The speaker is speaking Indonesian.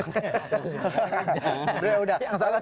yang salah cnn